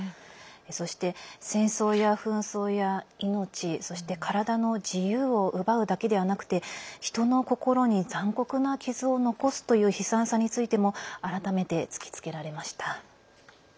そして、戦争や紛争命や体の一部を奪うだけでなくて人の心に残酷な傷を残すという悲惨さについても改めて突きつけられました。